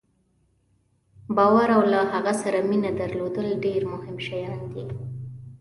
باور او له هغه سره مینه درلودل ډېر مهم شیان دي.